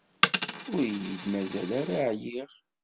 Ur iyi-d-mazal ara ɛyiɣ.